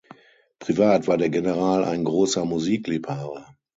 Privat war der General ein großer Musikliebhaber.